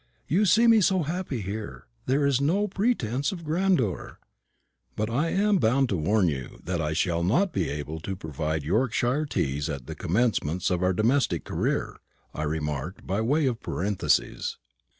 You see me so happy here, where there is no pretence of grandeur " "But I am bound to warn you that I shall not be able to provide Yorkshire teas at the commencement of our domestic career," I remarked, by way of parenthesis.